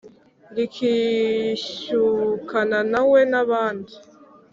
rikishyukana na we. nabandi